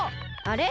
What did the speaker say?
あれ？